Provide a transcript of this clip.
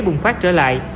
bùng phát trở lại